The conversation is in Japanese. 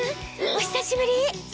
お久しぶり！